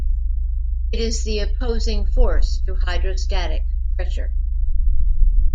It is the opposing force to hydrostatic pressure.